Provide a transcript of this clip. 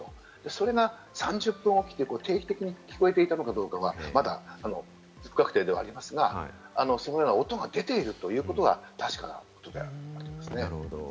それが３０分おきという定期的に聞こえていたのかどうかはまだ不確定ではありますが、そのような音が出ているということが確かなことであるということですね。